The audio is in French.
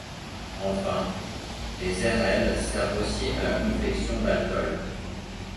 Enfin, les airelles servent aussi à la confection d'alcool.